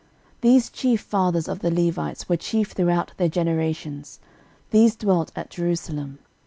13:009:034 These chief fathers of the Levites were chief throughout their generations; these dwelt at Jerusalem.